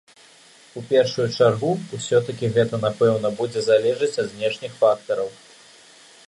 У першую чаргу ўсё-такі гэта, напэўна, будзе залежыць ад знешніх фактараў.